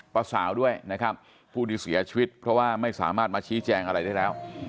สาวด้วยนะครับผู้ที่เสียชีวิตเพราะว่าไม่สามารถมาชี้แจงอะไรได้แล้ว